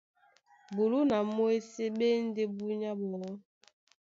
Bulú na mwésé ɓá e ndé búnyá ɓɔɔ́.